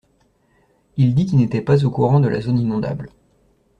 Il dit qu’il n'était pas au courant de la zone inondable.